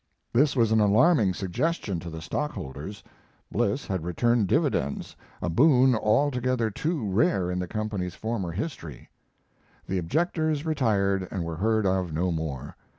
This was an alarming suggestion to the stockholders. Bliss had returned dividends a boon altogether too rare in the company's former history. The objectors retired and were heard of no more.